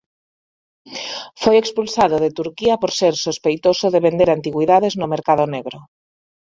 Foi expulsado de Turquía por ser sospeitoso de vender antigüidades no mercado negro.